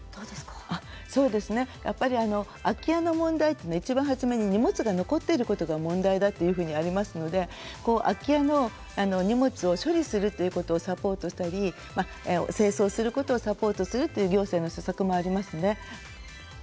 やっぱり空き家の問題というのは一番初めに荷物が残っていることが問題だというふうにありますので空き家の荷物を処理するということをサポートしたり清掃することをサポートするという行政の施策もありますね。